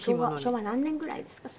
昭和何年ぐらいですか？